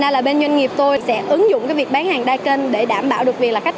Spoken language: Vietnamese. nên là bên doanh nghiệp tôi sẽ ứng dụng cái việc bán hàng đa kênh để đảm bảo được việc là khách